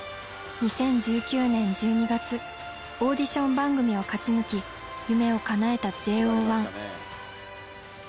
２０１９年１２月オーディション番組を勝ち抜き夢をかなえたＪＯ１。